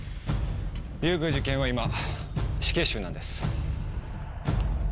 龍宮寺堅は今死刑囚なんです。